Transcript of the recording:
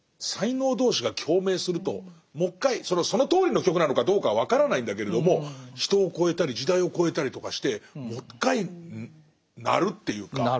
才能同士が共鳴するともう１回そのとおりの曲なのかどうかは分からないんだけれども人を超えたり時代を超えたりとかしてもう１回鳴るっていうか。